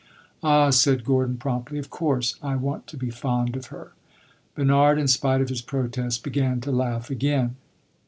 "Ah!" said Gordon promptly; "of course I want to be fond of her." Bernard, in spite of his protest, began to laugh again.